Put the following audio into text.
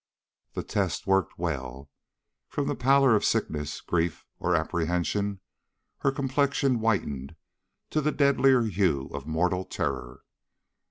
The test worked well. From the pallor of sickness, grief, or apprehension, her complexion whitened to the deadlier hue of mortal terror.